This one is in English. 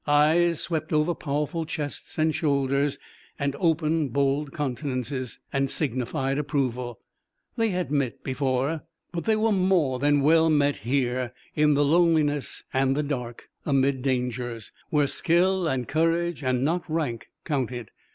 Eyes swept over powerful chests and shoulders and open, bold countenances, and signified approval. They had met before, but they were more than well met here in the loneliness and the dark, amid dangers, where skill and courage, and not rank, counted.